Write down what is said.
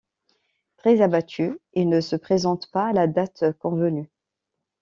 Très abattu, il ne se présente pas à la date convenue.